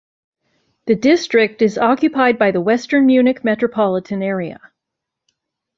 The district is occupied by the western Munich metropolitan area.